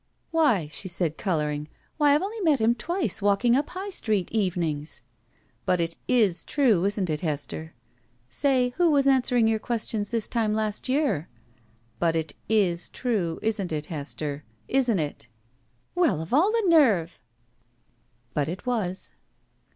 "Why," she said, coloring— "why, I've only met him twice walking up High Street, evenings!" "But it is true, isn't it, Hester?" "Say, who was answering your questions this time last year?" "But it is true, isn't it, Hester? Isn't it?" "Well, of all the nerve!" But it was.